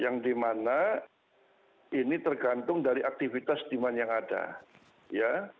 yang dimana ini tergantung dari aktivitas diman yang ada